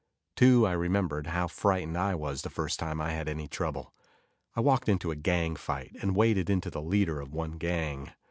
Too, I remembered how frightened I was the first time I had any trouble. I walked into a gang fight and waded into the leader of one gang.